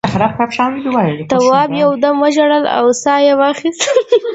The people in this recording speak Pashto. تواب یو دم وژړل او سا یې واخیسته.